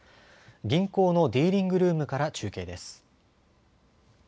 銀行のディーリングルームから中継です。